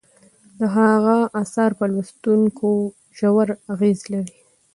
د هغه اثار په لوستونکو ژور اغیز لري.